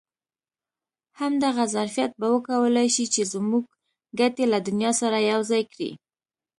همدغه ظرفیت به وکولای شي چې زموږ ګټې له دنیا سره یو ځای کړي.